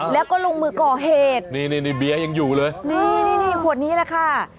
แล้วควรนี้แหละค่ะ